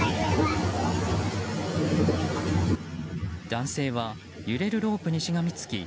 男性は揺れるロープにしがみつき